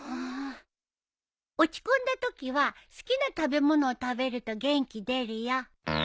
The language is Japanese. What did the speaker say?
落ち込んだときは好きな食べ物を食べると元気出るよ。